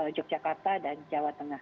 yogyakarta dan jawa tengah